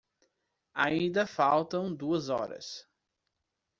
Ainda faltam duas horas